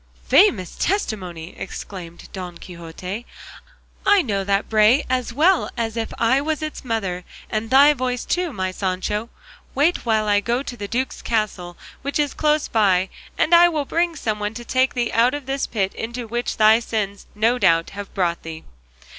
"Famous testimony!" exclaimed Don Quixote; "I know that bray as well as if I was its mother, and thy voice too, my Sancho. Wait while I go to the duke's castle, which is close by, and I will bring some one to take thee out of this pit into which thy sins no doubt have brought thee."